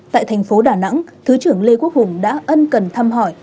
tại thành phố đà nẵng thứ trưởng lê quốc hùng đã ân cần thăm hỏi